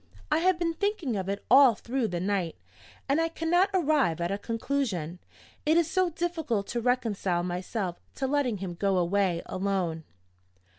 I have been thinking of it all through the night, and I cannot arrive at a conclusion. It is so difficult to reconcile myself to letting him go away alone.